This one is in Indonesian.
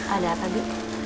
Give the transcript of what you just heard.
ada apa bi